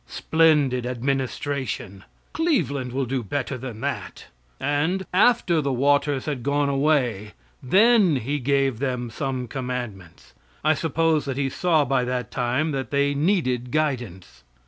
Splendid administration! Cleveland will do better than that. And, after the waters had gone away, then He gave them some commandments. I suppose that He saw by that time that they needed guidance.